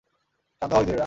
শান্ত হও, ইঁদুরেরা।